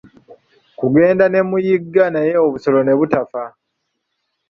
Kugenda ne muyigga naye obusolo ne butafa.